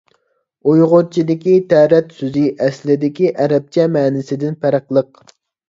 ئۇيغۇرچىدىكى «تەرەت» سۆزى ئەسلىدىكى ئەرەبچە مەنىسىدىن پەرقلىق.